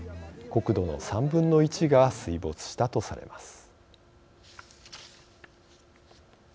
国土の３分の１が水没したとされます。